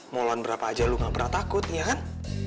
mau loan berapa aja lo ga pernah takut ya kan